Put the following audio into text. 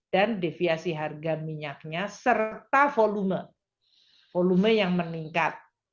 dan deviasi harga minyaknya serta volume yang meningkat